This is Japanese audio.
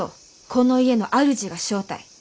この家の主が正体。